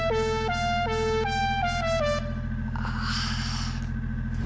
ああ。